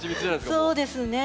そうですね。